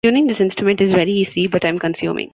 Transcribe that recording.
Tuning this instrument is very easy but time consuming.